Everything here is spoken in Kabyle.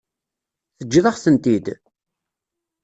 Teǧǧiḍ-aɣ-tent-id?